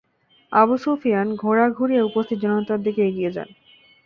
Abu Sufyan ঘোড়া ঘুরিয়ে উপস্থিত জনতার দিকে এগিয়ে যায়।